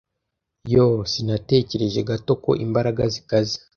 Yoo, sinatekereje gato ko imbaraga zikaze